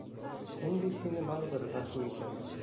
Мин бит һине барыбер ғәфү итәм.